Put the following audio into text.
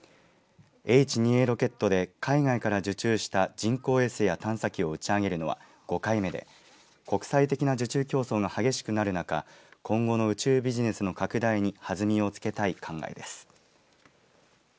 Ｈ２Ａロケットで海外から受注した人工衛星や探査機を打ち上げるのは５回目で国際的な受注競争が激しくなる中今後の宇宙ビジネスの拡大に弾みをつけたい考えです。